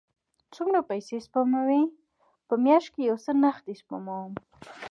څومره پیسی سپموئ؟ میاشت کې یو څه نغدي سپموم